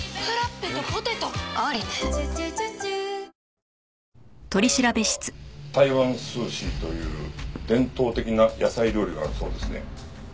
台湾には台湾素食という伝統的な野菜料理があるそうですね。